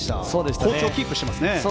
好調をキープしていますね。